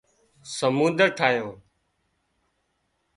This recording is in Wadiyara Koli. سمنۮر ٺاهيان